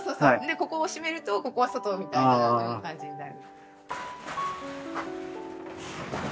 ここを閉めるとここは外みたいな感じになる。